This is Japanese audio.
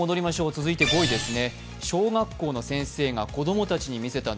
続いて５位ですね。